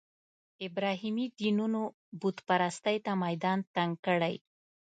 ابراهیمي دینونو بوت پرستۍ ته میدان تنګ کړی.